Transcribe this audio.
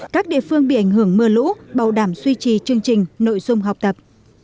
các địa phương bị ảnh hưởng mưa lũ bảo đảm suy trì chương trình nội dung học tập